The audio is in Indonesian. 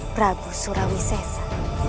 prabu surawi sesa